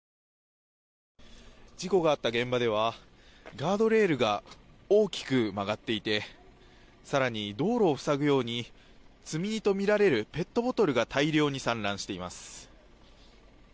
事故があった現場ではガードレールが大きく曲がっていて更に道路を塞ぐように積み荷とみられるペットボトルが大量に散乱しています。